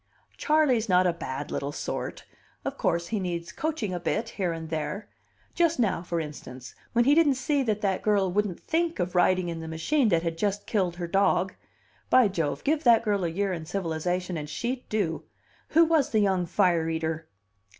"Charley's not a bad little sort. Of course, he needs coaching a bit here and there just now, for instance, when he didn't see that that girl wouldn't think of riding in the machine that had just killed her dog. By Jove, give that girl a year in civilization and she'd do! Who was the young fire eater?"